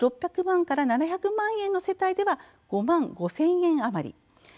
６００から７００万円の世帯では５万５０００円余り。